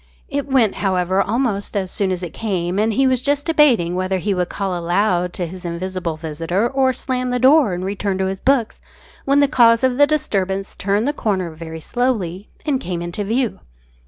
It went, however, almost as soon as it came, and he was just debating whether he would call aloud to his invisible visitor, or slam the door and return to his books, when the cause of the disturbance turned the corner very slowly and came into view.